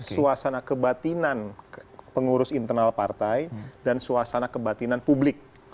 suasana kebatinan pengurus internal partai dan suasana kebatinan publik